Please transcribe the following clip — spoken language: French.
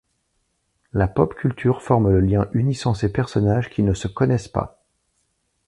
La pop culture forme le lien unissant ces personnages qui ne se connaissent pas.